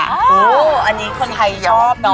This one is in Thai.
อันนี้คนไทยชอบเนอะ